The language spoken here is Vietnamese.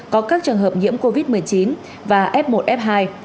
có các trường hợp nhiễm covid một mươi chín và f một f hai